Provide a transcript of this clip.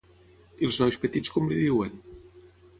I els nois petits com li diuen?